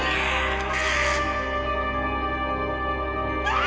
ああ！